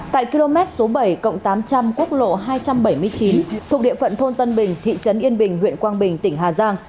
tại km số bảy cộng tám trăm linh quốc lộ hai trăm bảy mươi chín thuộc địa phận thôn tân bình thị trấn yên bình huyện quang bình tỉnh hà giang